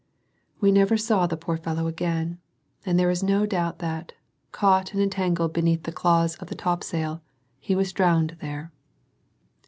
We never saw the poor fellow again, and there is no doubt that, caught and entangled beneath the cloths of the topsail, he was drowned there.